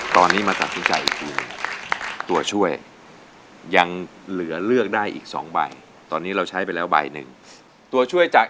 ตอนนี้มาตัดสินใจอีกทีหนึ่งตัวช่วยยังเหลือเลือกได้อีก๒ใบตอนนี้เราใช้ไปแล้วใบหนึ่งตัวช่วยจาก